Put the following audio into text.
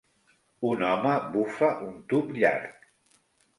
Un home bufa un tub llarg